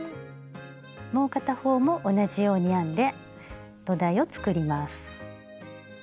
もう片方も同じように編んで土台を作ります。